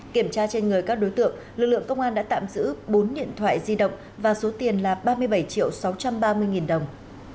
kiểm tra trên người các đối tượng lực lượng công an đã tạm giữ bốn điện thoại di động và số tiền là ba mươi bảy triệu sáu trăm ba mươi nghìn đồng